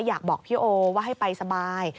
อยากบอกพี่โอว่าให้ไปสบาย